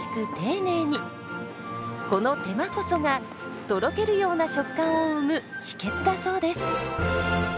この手間こそがとろけるような食感を生む秘訣だそうです。